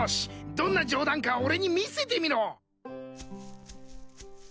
どんなジョーダンか俺に見せてみろ！